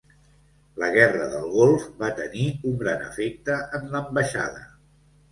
La Guerra del Golf va tenir un gran efecte en l'ambaixada.